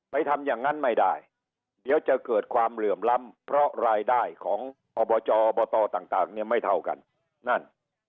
ทำอย่างนั้นไม่ได้เดี๋ยวจะเกิดความเหลื่อมล้ำเพราะรายได้ของอบจอบตต่างเนี่ยไม่เท่ากันนั่น